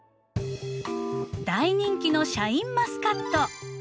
大人気のシャインマスカット。